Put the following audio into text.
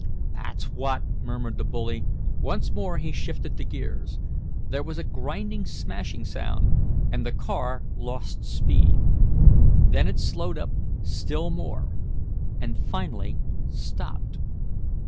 "That's what!" murmured the bully. Once more he shifted the gears. There was a grinding, smashing sound, and the car lost speed. Then it slowed up still more, and finally stopped.